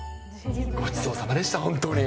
ごちそうさまでした、本当に。